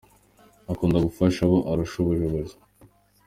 Akunda gufasha abo arusha ubushobozi ;